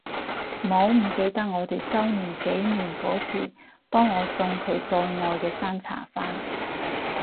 唔好唔記得我哋週年紀念嗰時幫我送佢最愛嘅山茶花